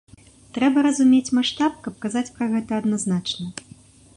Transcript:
Трэба разумець маштаб, каб казаць пра гэта адназначна.